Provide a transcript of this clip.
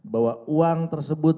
bahwa uang tersebut